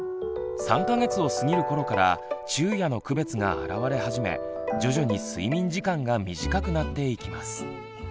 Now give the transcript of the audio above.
３か月を過ぎる頃から昼夜の区別があらわれ始め徐々に睡眠時間が短くなっていきます。